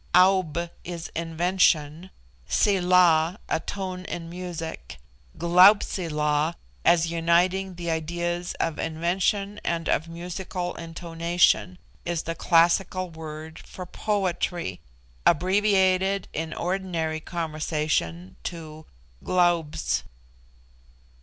Aub is invention; Sila, a tone in music. Glaubsila, as uniting the ideas of invention and of musical intonation, is the classical word for poetry abbreviated, in ordinary conversation, to Glaubs.